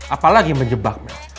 apalagi menjebak mel